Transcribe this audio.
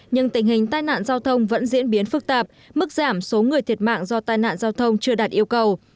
nhưng tình hình tai nạn giao thông vẫn diễn biến phức tạp mức giảm số người thiệt mạng do tai nạn giao thông chưa đạt yêu cầu